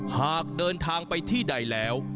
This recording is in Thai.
หากเดินทางไปที่ใดแล้ว